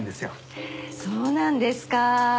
へえそうなんですか。